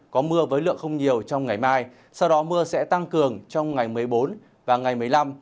có mưa với lượng không nhiều trong ngày mai sau đó mưa sẽ tăng cường trong ngày một mươi bốn và ngày một mươi năm